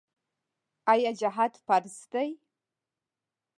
آیا جهاد فرض دی؟